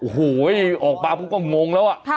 โอ้โหออกมาก็งงแล้ว